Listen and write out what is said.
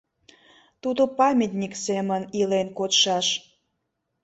Тудо памятник семын илен кодшаш.